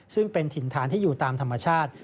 ซึ่งเป็นถิ่นฐานที่อยู่ตามธรรมชาติ